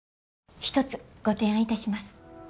一つご提案いたします。